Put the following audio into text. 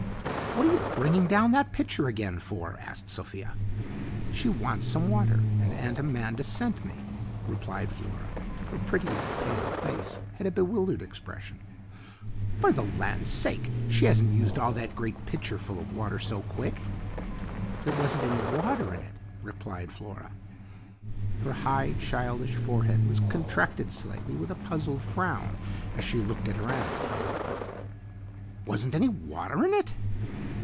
"What are you bringing down that pitcher again for?" asked Sophia. "She wants some water, and Aunt Amanda sent me," replied Flora. Her pretty pale face had a bewildered expression. "For the land sake, she hasn't used all that great pitcherful of water so quick?" "There wasn't any water in it," replied Flora. Her high, childish forehead was contracted slightly with a puzzled frown as she looked at her aunt. "Wasn't any water in it?"